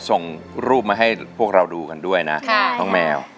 ส่งรูปมาให้พวกเราดูกันด้วยนะ